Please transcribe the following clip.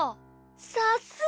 さすが。